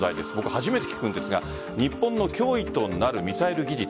初めて聞くんですが日本の脅威となるミサイル技術。